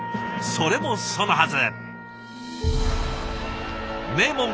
それもそのはず。